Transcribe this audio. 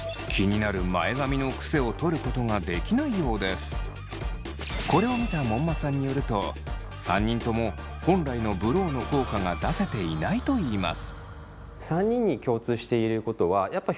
気になるこれを見た門馬さんによると３人とも本来のブローの効果が出せていないといいます。